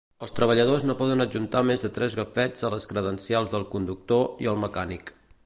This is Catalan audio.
El treballadors no poden adjuntar més de tres gafets a les credencials del conductor i el mecànic.